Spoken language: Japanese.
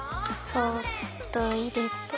そっといれて。